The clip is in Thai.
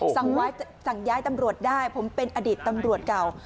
สั่งย้ายตำรวจได้ผมเป็นอดีตตำรวจเก่า